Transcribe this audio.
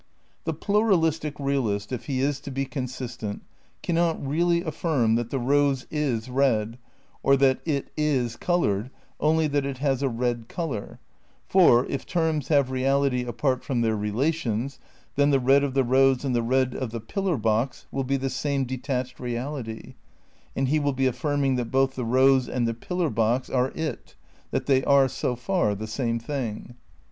The pluralistic realist, if he is to be consistent, can not really affirm that the rose "is" red or that it "is" coloured, only that it has a red colour; for, if terms have reality apart from their relations, then the red of the rose and the red of the pillar box will be the same detached reality, and he wiU be affirming that (both the rose and the pillar box are it, that they are, so far, the same thing.